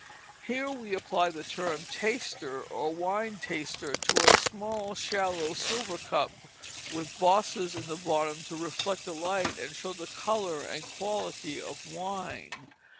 Here we apply the term taster, or wine taster, to a small, shallow silver cup with bosses in the bottom to reflect the light and show the color and quality of wine.